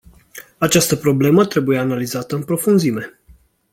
Această problemă trebuie analizată în profunzime.